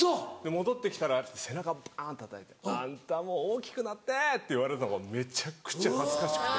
戻ってきたら背中バンたたいて「あんたも大きくなって」って言われたのがめちゃくちゃ恥ずかしくて。